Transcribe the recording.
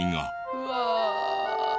うわ。